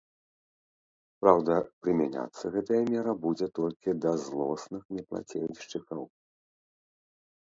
Праўда, прымяняцца гэтая мера будзе толькі да злосных неплацельшчыкаў.